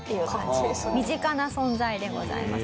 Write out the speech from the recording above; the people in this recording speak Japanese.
身近な存在でございます。